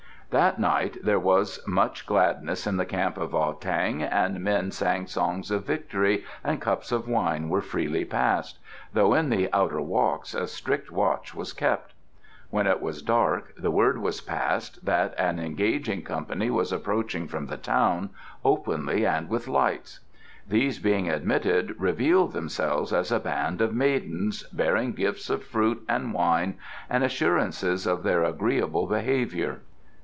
That night there was much gladness in the camp of Ah tang, and men sang songs of victory and cups of wine were freely passed, though in the outer walks a strict watch was kept. When it was dark the word was passed that an engaging company was approaching from the town, openly and with lights. These being admitted revealed themselves as a band of maidens, bearing gifts of fruit and wine and assurances of their agreeable behaviour.